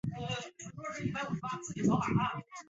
美国青蛙会在春天至夏天繁殖。